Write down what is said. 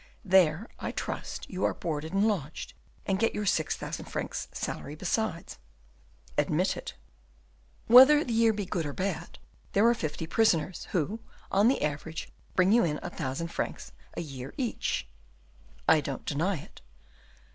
There, I trust, you are boarded and lodged, and get your six thousand francs salary besides." "Admitted!" "Whether the year be good or bad, there are fifty prisoners, who, on the average, bring you in a thousand francs a year each." "I don't deny it."